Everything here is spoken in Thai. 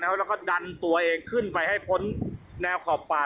แล้วก็ดันตัวเองขึ้นไปให้พ้นแนวขอบป่า